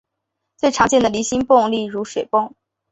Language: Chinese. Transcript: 最常见的离心泵例如水泵。